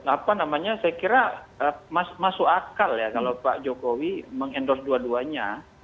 apa namanya saya kira masuk akal ya kalau pak jokowi mengendorse dua duanya